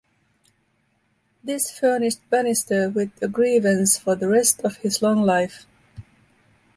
This furnished Bannister with a grievance for the rest of his long life.